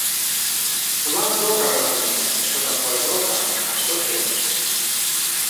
Улад добра разумее, што такое добра, а што кепска.